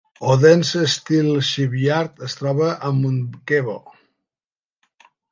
Odense Steel Shipyard es troba a Munkebo.